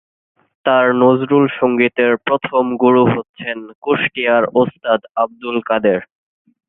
তার নজরুল সঙ্গীতের প্রথম গুরু হচ্ছেন কুষ্টিয়ার ওস্তাদ আবদুল কাদের।